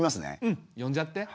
うん呼んじゃって。